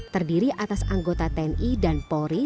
terdiri atas anggota tni dan polri